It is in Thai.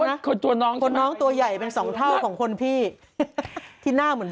คนตัวน้องคนน้องตัวใหญ่เป็นสองเท่าของคนพี่ที่หน้าเหมือน